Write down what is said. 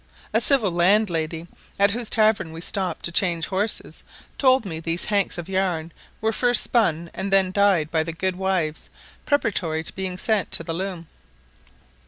A civil landlady, at whose tavern we stopped to change horses, told me these hanks of yarn were first spun and then dyed by the good wives, preparatory to being sent to the loom.